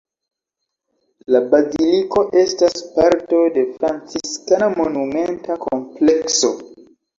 La baziliko estas parto de franciskana monumenta komplekso.